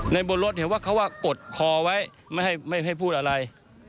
บนรถเห็นว่าเขาว่ากดคอไว้ไม่ให้พูดอะไร